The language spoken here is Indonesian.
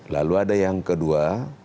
lalu ada yang kedua